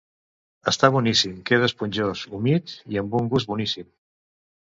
Està boníssim, queda esponjós, humit i amb un gust boníssim.